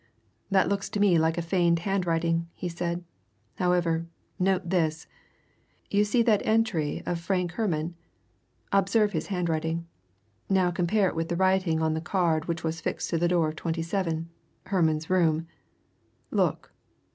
"That looks to me like a feigned handwriting," he said. "However, note this. You see that entry of Frank Herman? Observe his handwriting. Now compare it with the writing on the card which was fixed on the door of 27 Herman's room. Look!"